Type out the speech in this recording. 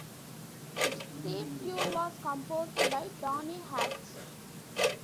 Its theme tune was composed by Tony Hatch.